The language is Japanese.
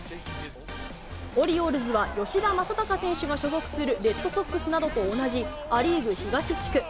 オリオールズは吉田正尚選手が所属するレッドソックスなどと同じ、ア・リーグ東地区。